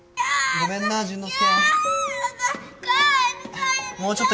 ごめんな淳之介。